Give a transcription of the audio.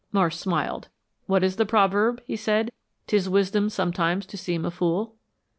Marsh smiled. "What is the proverb?" he said. "'Tis wisdom sometimes to seem a fool.'"